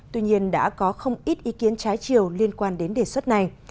tuy nhiên đã có không ít ý kiến trái chiều liên quan đến đề xuất này